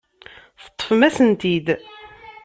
Teṭṭfem-asen-t-id.